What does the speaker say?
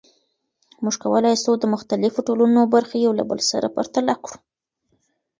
موږ کولای سو د مختلفو ټولنو برخې یو له بل سره پرتله کړو.